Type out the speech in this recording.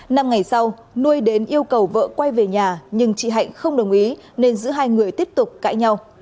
năm ngày sau nuôi đến yêu cầu vợ quay về nhà nhưng chị hạnh không đồng ý nên giữa hai người tiếp tục cãi nhau